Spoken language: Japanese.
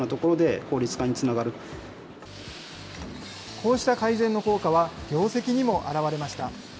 こうした改善の効果は、業績にも表れました。